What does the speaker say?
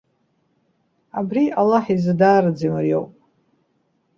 Абри Аллаҳ изы даараӡа имариоуп.